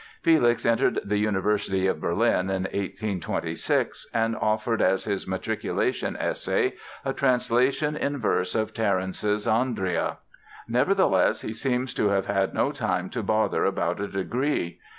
Felix entered the University of Berlin in 1826 and offered as his matriculation essay a translation in verse of Terence's "Andria". Nevertheless, he seems to have had no time to bother about a degree.